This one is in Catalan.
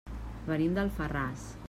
Venim d'Alfarràs.